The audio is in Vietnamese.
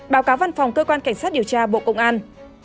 báo cáo văn phòng cơ quan cảnh sát điều tra bộ công an